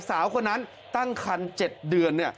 สาวคนนั้นตั้งคัน๗เดือน